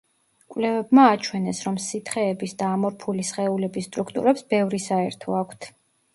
კვლევებმა აჩვენეს, რომ სითხეების და ამორფული სხეულების სტრუქტურებს ბევრი საერთო აქვთ.